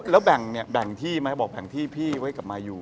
แล้วแบ่งเนี่ยแบ่งที่ไหมบอกแบ่งที่พี่ไว้กลับมาอยู่